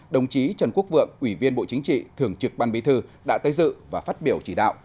đồng chí trần quốc vượng ủy viên bộ chính trị thường trực ban bí thư đã tới dự và phát biểu chỉ đạo